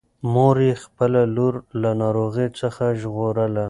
مور یې خپله لور له ناروغۍ څخه ژغورله.